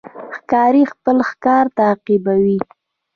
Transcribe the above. ښکاري خپل ښکار تعقیبوي.